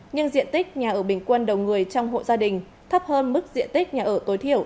nhưng diện tích nhà ở bình quân đầu người trong hộ gia đình thấp hơn mức diện tích nhà ở tối thiểu